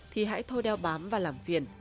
thì hãy thôi đeo bám và làm phiền